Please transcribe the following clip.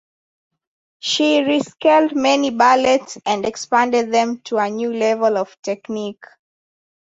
She re-scaled many ballets and expanded them to a new level of technique.